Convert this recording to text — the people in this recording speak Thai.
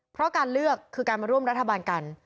เพราะการเลือกคือการมาร่วมรัฐบาลกัน